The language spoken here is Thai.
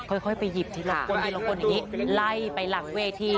ค่อยไปหยิบที่หลัง